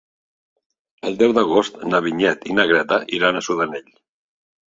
El deu d'agost na Vinyet i na Greta iran a Sudanell.